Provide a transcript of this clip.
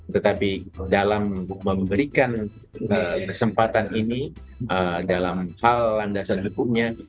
tetapi dalam memberikan kesempatan ini dalam hal landasan hukumnya